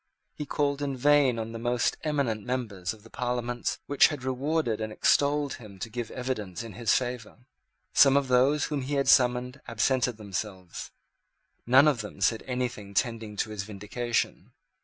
He called in vain on the most eminent members of the Parliaments which had rewarded and extolled him to give evidence in his favour. Some of those whom he had summoned absented themselves. None of them said anything tending to his vindication.